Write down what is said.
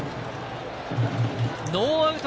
ノーアウト